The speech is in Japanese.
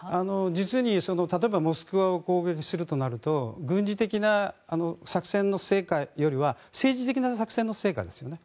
実に例えばモスクワを攻撃するとなると軍事的な作戦の成果よりは政治的な作戦の成果ですね。